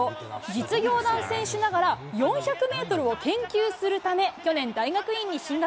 実業団選手ながら、４００メートルを研究するため、去年、大学院に進学。